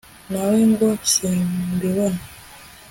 nawe ngo simbibona